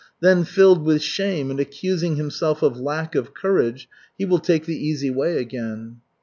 Then filled with shame and accusing himself of lack of courage, he will take the easy way again.